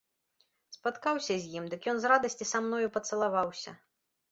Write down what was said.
Спаткаўся я з ім, дык ён з радасці са мною пацалаваўся.